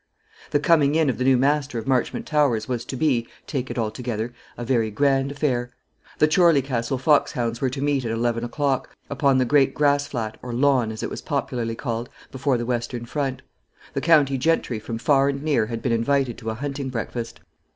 The coming in of the new master of Marchmont Towers was to be, take it altogether, a very grand affair. The Chorley Castle foxhounds were to meet at eleven o'clock, upon the great grass flat, or lawn, as it was popularly called, before the western front. The county gentry from far and near had been invited to a hunting breakfast.